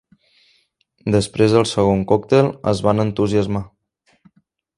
Després del segon còctel es van entusiasmar.